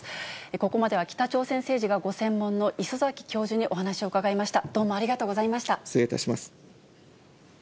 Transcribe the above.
ここまでは、北朝鮮政治がご専門の礒崎教授にお話を伺いました。